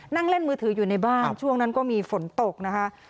นั่งเล่นมือถืออยู่ในบ้านช่วงนั้นก็มีฝนตกนะคะ